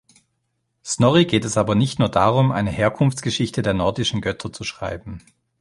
Snorri geht es aber nicht nur darum, eine Herkunftsgeschichte der nordischen Götter zu schreiben.